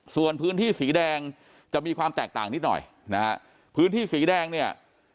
ส่วนพื้นที่สีแดงจะมีความแตกต่างนิดหน่อยนะฮะพื้นที่สีแดงเนี่ย